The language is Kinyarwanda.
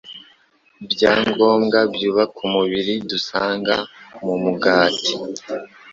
byangombwa byubaka umubiri dusanga mu mugati